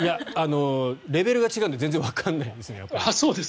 レベルが違うので全然わからないですね。